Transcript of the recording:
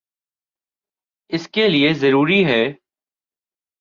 اس کے لئیے ضروری ہے